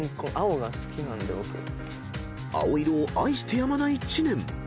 ［青色を愛してやまない知念］